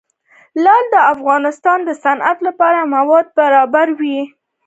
لعل د افغانستان د صنعت لپاره مواد برابروي.